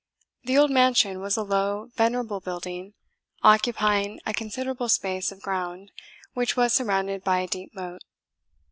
The old mansion was a low, venerable building, occupying a considerable space of ground, which was surrounded by a deep moat.